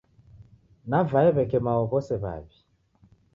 Navae w'eke mao w'ose w'aw'i.